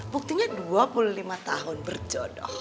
buktinya dua puluh lima tahun berjodoh